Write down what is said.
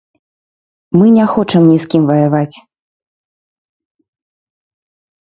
Мы не хочам ні з кім ваяваць.